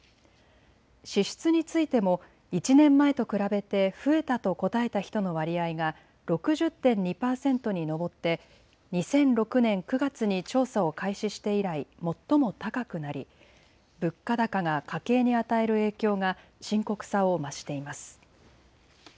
支出についても１年前と比べて増えたと答えた人の割合が６０．２％に上って２００６年９月に調査を開始して以来、最も高くなり物価高が家計に与える影響が深刻さを増しています。